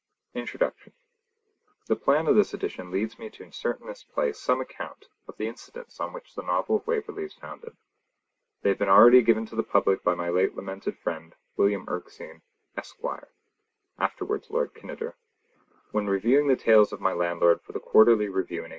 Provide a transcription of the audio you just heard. INTRODUCTION The plan of this edition leads me to insert in this place some account of the incidents on which the Novel of Waverley is founded. They have been already given to the public by my late lamented friend, William Erskine, Esq. (afterwards Lord Kinneder), when reviewing the Tales of My Landlord for the Quarterly Review in 1817.